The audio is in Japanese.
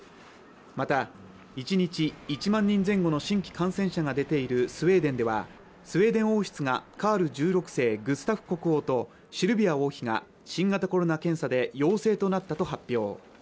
また１日１万人前後の新規感染者が出ているスウェーデンではスウェーデン王室がカール１６世グスタフ国王とシルヴィア王妃が新型コロナ検査で陽性となったと発表